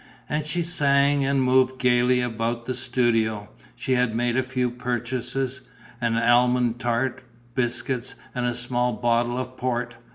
And she sang and moved gaily about the studio. She had made a few purchases: an almond tart, biscuits and a small bottle of port.